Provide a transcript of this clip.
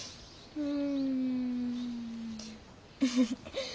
うん。